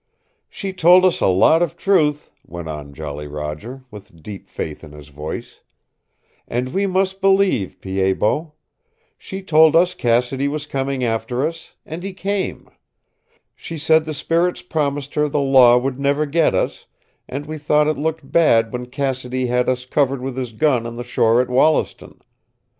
"She told us a lot of truth," went on Jolly Roger, with deep faith in his voice "And we must believe, Pied Bot. She told us Cassidy was coming after us, and he came. She said the spirits promised her the law would never get us, and we thought it looked bad when Cassidy had us covered with his gun on the shore at Wollaston.